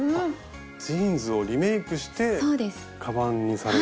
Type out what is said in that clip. ジーンズをリメークしてカバンにされたと。